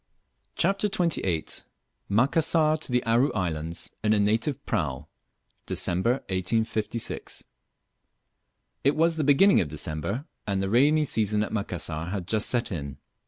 CHAPTER XXVIII. MACASSAR TO THE ARU ISLANDS IN A NATIVE PRAU. (DECEMBER, 1856.) IT was the beginning of December, and the rainy season at Macassar had just set in.